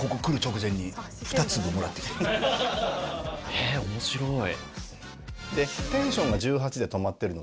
へぇ面白い。